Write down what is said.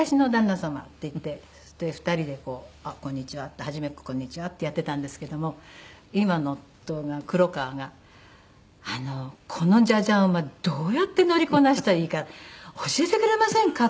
で２人でこう「あっこんにちは」って初め「こんにちは」ってやってたんですけども今の夫が黒川が「あのこのじゃじゃ馬どうやって乗りこなしたらいいか教えてくれませんか？」